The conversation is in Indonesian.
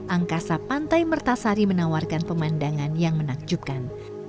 angkasa pantai mertasari menawarkan pemandangan yang menakjubkan